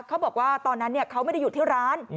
เขาบอกว่าตอนนั้นเขาไม่ได้อยู่ที่ร้าน